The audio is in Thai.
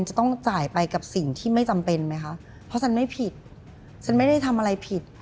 จะต้องจ่ายไปกับสิ่งที่ไม่จำเป็นไหมคะเพราะฉันไม่ผิดฉันไม่ได้ทำอะไรผิด